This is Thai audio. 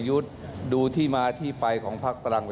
ในระหว่างที่ป๊าพูดล่ากค่ะล่ากค่ะ